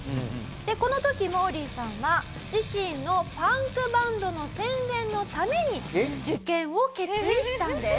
この時モーリーさんは自身のパンクバンドの宣伝のために受験を決意したんです。